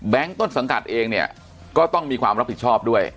ต้นสังกัดเองเนี่ยก็ต้องมีความรับผิดชอบด้วย